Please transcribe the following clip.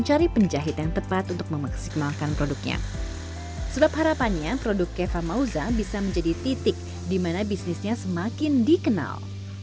sebab harapannya produk keva mauza bisa menjadi titik di mana bisnisnya semakin dikenal